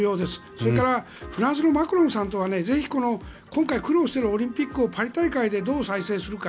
それからフランスのマクロンさんとはぜひ、今回苦労しているオリンピックをパリ大会でどう再生するか。